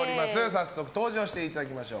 早速登場していただきましょう。